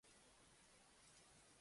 Presidió la Junta Departamental de Lima.